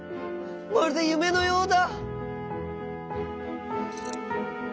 まるでゆめのようだ！」。